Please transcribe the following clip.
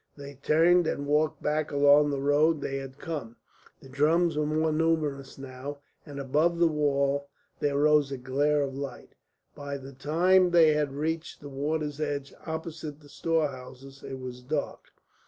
They turned and walked back along the road they had come. The drums were more numerous now, and above the wall there rose a glare of light. By the time they had reached the water's edge opposite the storehouses it was dark.